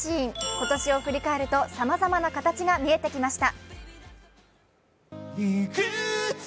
今年を振り返るとさまざまな形が見えてきました。